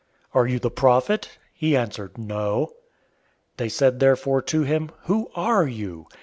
"Are you the Prophet?" He answered, "No." 001:022 They said therefore to him, "Who are you?